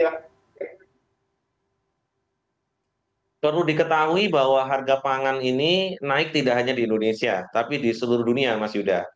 ya perlu diketahui bahwa harga pangan ini naik tidak hanya di indonesia tapi di seluruh dunia mas yud